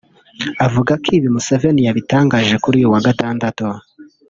avuga ko ibi Museveni yabitangaje kuri uyu wa Gatandatu